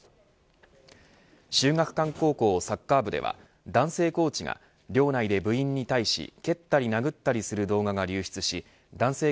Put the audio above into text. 秀岳館高校サッカー部では男性コーチが寮内で部員に対し蹴ったり殴ったりする動画が流出し男性